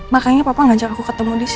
makanya papa ngajak aku ketemu disini